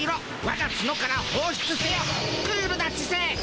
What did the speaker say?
わが角から放出せよクールな知せい。